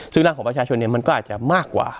ซึ่งร่างของประชาชนมันก็อาจจะมากกว่า